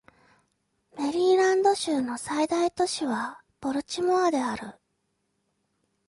メリーランド州の最大都市はボルチモアである